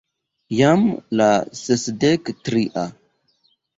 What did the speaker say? Jam la sesdek tria...